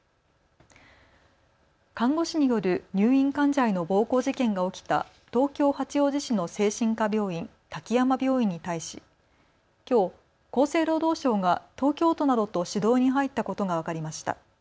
看護師による入院患者への暴行事件が起きた東京八王子市の精神科病院、滝山病院に対しきょう厚生労働省が東京都などと指導に入ったことが分かりました。